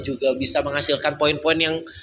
juga bisa menghasilkan poin poin yang